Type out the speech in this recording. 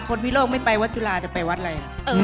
วิโลกไม่ไปวัดจุฬาจะไปวัดอะไร